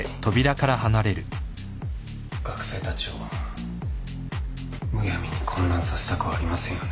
学生たちをむやみに混乱させたくはありませんよね。